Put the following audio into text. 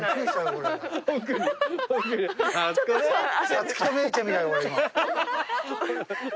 サツキとメイちゃんみたいなことが今。